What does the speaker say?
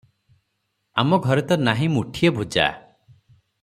ଆମ ଘରେ ତ ନାହିଁ ମୁଠିଏ ଭୁଜା ।